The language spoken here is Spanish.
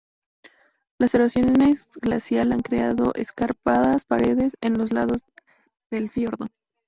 La erosión glacial ha creado escarpadas paredes en los lados del fiordo.